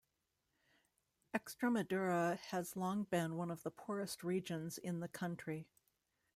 Extremadura has long been one of the poorest regions in the country.